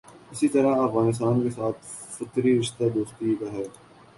اسی طرح افغانستان کے ساتھ فطری رشتہ دوستی کا ہے۔